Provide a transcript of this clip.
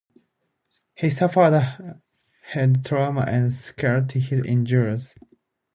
He suffered head trauma and succumbed to his injuries.